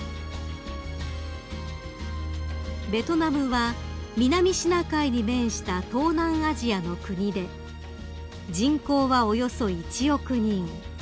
［ベトナムは南シナ海に面した東南アジアの国で人口はおよそ１億人］